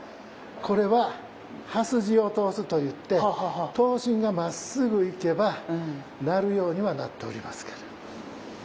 これは刃筋を通すと言って刀身がまっすぐ行けば鳴るようにはなっておりますけれども。